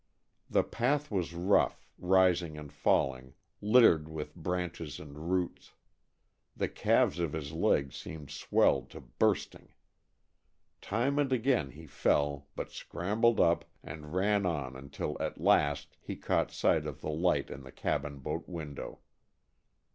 The path was rough, rising and falling, littered with branches and roots. The calves of his legs seemed swelled to bursting. Time and again he fell but scrambled up and ran on until at last he caught sight of the light in the cabin boat window.